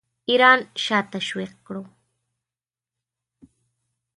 ایران شاه تشویق کړو.